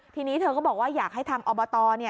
ทีนี้เธอก็บอกว่าอยากให้ทางอบต